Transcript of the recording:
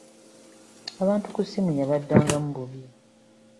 Abantu ku ssimu yabaddangamu bubi.